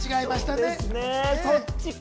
そっちか。